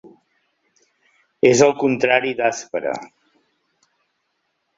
És el contrari d'aspre.